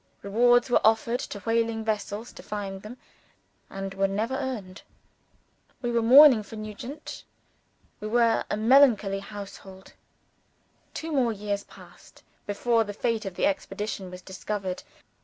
Rewards were offered to whaling vessels to find them, and were never earned. We wore mourning for Nugent; we were a melancholy household. Two more years passed before the fate of the expedition was discovered.